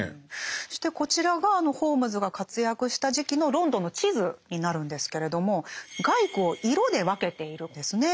そしてこちらがホームズが活躍した時期のロンドンの地図になるんですけれども街区を色で分けているんですね。